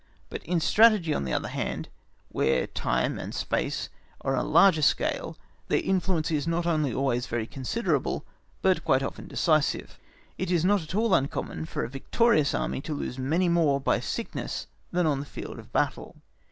But in Strategy on the other hand, where time and space, are on a larger scale, their influence is not only always very considerable, but often quite decisive. It is not at all uncommon for a victorious Army to lose many more by sickness than on the field of battle.